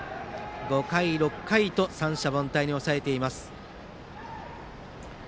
５回、６回と三者凡退に抑えています。